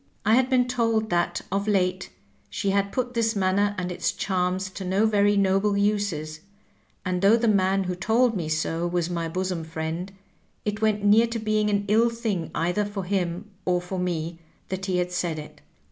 I had been told that of late she had put this manner and its charms to no very noble uses, and though the man who told me so was my bosom friend, it went near to being an ill thing either for him or for me that he had said it.